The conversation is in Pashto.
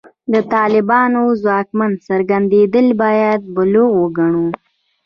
د طالبانو ځواکمن څرګندېدل باید بلوغ وګڼو.